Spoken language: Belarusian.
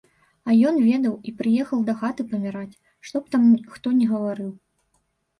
А ён ведаў, і прыехаў дахаты паміраць, што б там хто ні гаварыў.